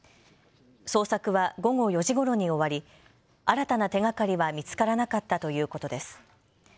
捜索は午後４時ごろに終わり新たな手がかりは見つからなかったということです。